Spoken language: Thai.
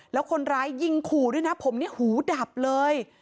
แล้วคนร้ายยิงขู่ด้วยนะผมเนี่ยหูดับเลย